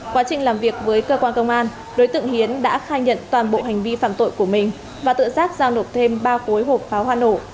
quá trình làm việc với cơ quan công an đối tượng hiến đã khai nhận toàn bộ hành vi phạm tội của mình và tự giác giao nộp thêm ba cối hộp pháo hoa nổ